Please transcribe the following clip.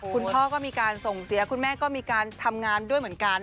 คุณพ่อก็มีการส่งเสียคุณแม่ก็มีการทำงานด้วยเหมือนกัน